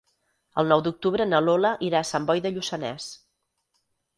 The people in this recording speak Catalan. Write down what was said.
El nou d'octubre na Lola irà a Sant Boi de Lluçanès.